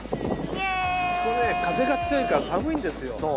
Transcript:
ここね風が強いから寒いんですよ